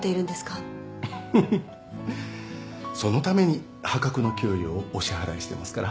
フフッそのために破格の給料をお支払いしてますから。